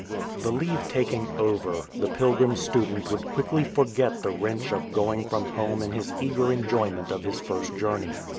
The leave taking over, the pilgrim student would quickly forget the wrench of going from home in his eager enjoyment of his first journey.